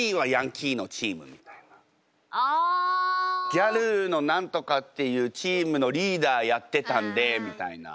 ギャルの何とかっていうチームのリーダーやってたんでみたいな。